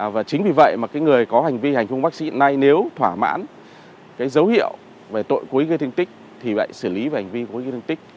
và chính vì vậy mà cái người có hành vi hành hung bác sĩ hiện nay nếu thỏa mãn cái dấu hiệu về tội gây thương tích thì phải xử lý về hành vi gây thương tích